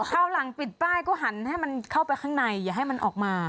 คราวหลังปิดป้ายก็หันให้มันเข้าไปข้างในอย่าให้มันออกมา